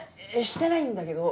してないんだけど。